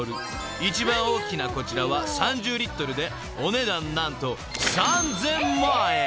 ［一番大きなこちらは３０リットルでお値段何と３，０００万円！